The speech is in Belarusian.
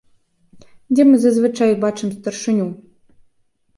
Дзе мы зазвычай бачым старшыню?